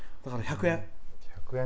だから、１００円。